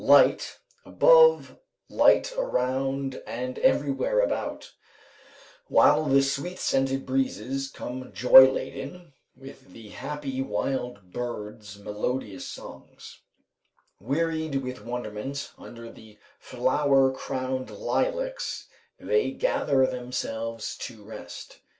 Light above, light around and everywhere about; while the sweet scented breezes come joy laden with the happy wild birds' melodious songs; wearied with wonderment, under the flower crowned lilacs they gather themselves to rest.